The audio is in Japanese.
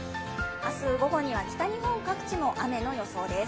明日、午後には北日本各地も雨の予想です。